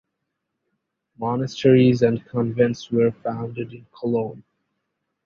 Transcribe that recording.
Monasteries and convents were founded in Cologne.